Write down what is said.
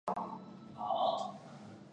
结怨甚多。